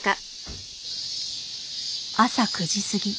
朝９時過ぎ。